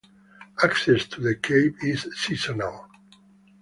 Access to the cave is seasonal.